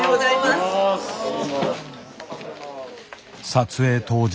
撮影当日。